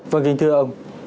vâng kính thưa ông